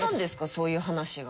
そういう話が。